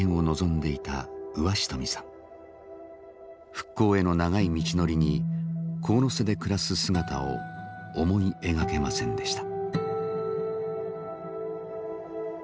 復興への長い道のりに神瀬で暮らす姿を思い描けませんでした。